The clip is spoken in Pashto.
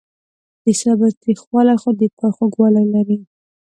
د صبر تریخوالی خو د پای خوږوالی لري.